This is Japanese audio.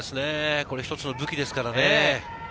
一つの武器ですからね。